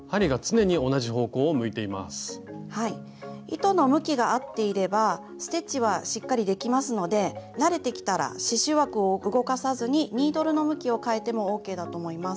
糸の向きが合っていればステッチはしっかりできますので慣れてきたら刺しゅう枠を動かさずにニードルの向きを変えてもＯＫだと思います。